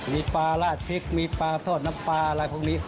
มีปลาราดพริกมีปลาทอดน้ำปลาอะไรพวกนี้